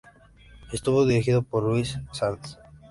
Estuvo dirigido por Luis Sanz.